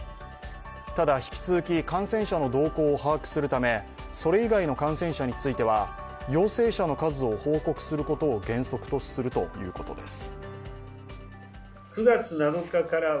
ただ、引き続き感染者の動向を把握するためそれ以外の感染者については陽性者の数を報告することを原則とするということです。